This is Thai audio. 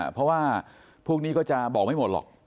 พวกนี้ก็จะบอกไม่หมดหรอก